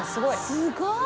すごい。